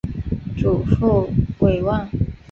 祖父娄旺。